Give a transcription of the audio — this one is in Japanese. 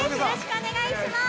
◆お願いしまーす。